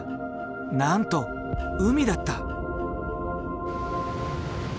なんと海だった。